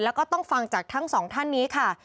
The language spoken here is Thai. แล้วก็ต้องฟังจากทั้งสองท่านนี้ค่ะ